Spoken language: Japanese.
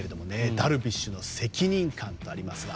ダルビッシュの責任感とありますが。